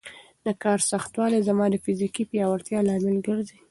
د کار سختوالی زما د فزیکي پیاوړتیا لامل ګرځي.